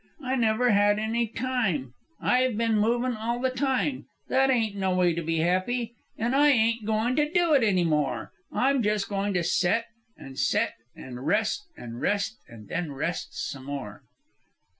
I never had any time. I've ben movin' all the time. That ain't no way to be happy. An' I ain't going to do it any more. I'm jes' goin' to set, an' set, an' rest, an' rest, and then rest some more."